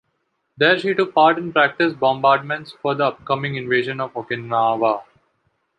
There she took part in practice bombardments for the upcoming invasion of Okinawa.